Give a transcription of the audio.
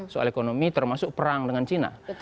soal ekonomi termasuk perang dengan cina